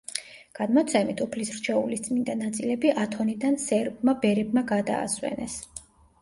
გადმოცემით, უფლის რჩეულის წმინდა ნაწილები ათონიდან სერბმა ბერებმა გადაასვენეს.